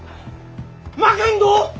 負けんど！